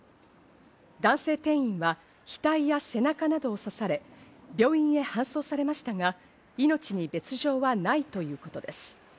男性店員は額や背中などを刺され、病院へ搬送されましたが命に別条はないということです。